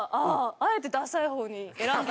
あえてダサい方に選んだ。